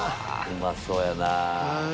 うまそうやな。